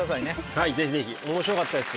はいぜひぜひ！面白かったです。